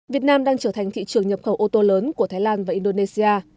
việt nam đang trở thành thị trường nhập khẩu ô tô lớn của thái lan và indonesia